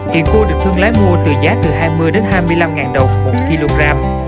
hiện cua được thương lái mua từ giá từ hai mươi đến hai mươi năm ngàn đồng một kg